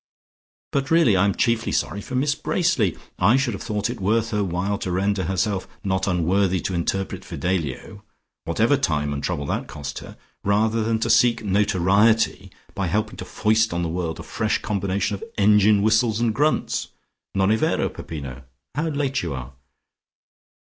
But really I am chiefly sorry for Miss Bracely. I should have thought it worth her while to render herself not unworthy to interpret Fidelio, whatever time and trouble that cost her, rather than to seek notoriety by helping to foist on to the world a fresh combination of engine whistles and grunts. Non e vero, Peppino? How late you are."